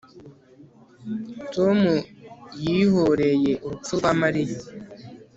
Tom yihoreye urupfu rwa Mariya